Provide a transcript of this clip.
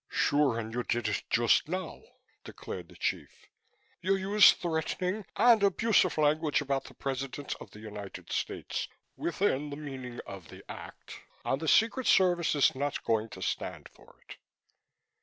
"Sure and you did it just now," declared the Chief. "You used threatening and abusive language about the President of the United States, within the meaning of the Act, and the Secret Service is not going to stand for it."